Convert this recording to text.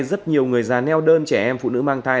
rất nhiều người già neo đơn trẻ em phụ nữ mang thai